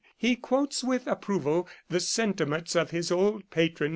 He quotes with approval the sentiments of his old patron.